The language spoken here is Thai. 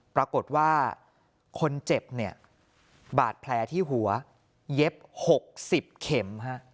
ปรากฏว่าคนเจ็บเนี่ยบาดแผลที่หัวเย็บ๖๐เข็ม